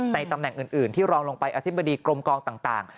ตำแหน่งอื่นที่รองลงไปอธิบดีกรมกองต่าง